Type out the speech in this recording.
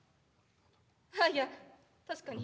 ないや確かに。